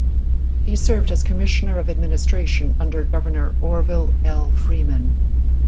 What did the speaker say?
He served as commissioner of administration under Governor Orville L. Freeman.